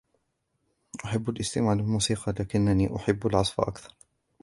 أحب الاستماع للموسيقى لكني أحب العزف أكثر.